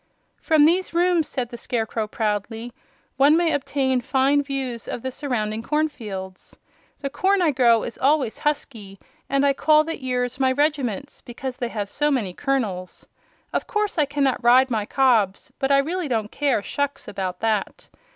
"From these rooms," said the Scarecrow, proudly, "one may obtain fine views of the surrounding cornfields. The corn I grow is always husky, and I call the ears my regiments, because they have so many kernels. Of course I cannot ride my cobs, but I really don't care shucks about that.